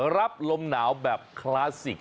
รับลมหนาวแบบคลาสสิก